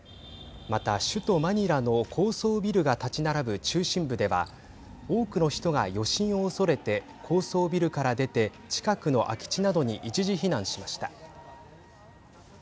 また、首都マニラの高層ビルが立ち並ぶ中心部では多くの人が余震を恐れて高層ビルから出て近くの空き地などに一時避難しました。